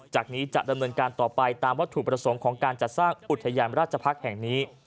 จากนี้จะดำเนินการต่อไปตามวัตถุประสงค์ของการจัดสร้างอุทยานราชภักษ์แห่งนี้